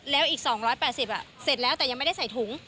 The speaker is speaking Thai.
แล้วอีก๒๘๐เสร็จแล้วแต่ยังไม่ได้ใส่ถุง